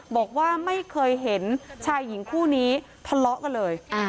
บอกว่าไม่เคยเห็นชายหญิงคู่นี้ทะเลาะกันเลย